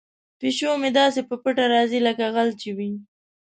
پیشو مې داسې په پټه راځي لکه غل چې وي.